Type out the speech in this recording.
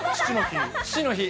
父の日？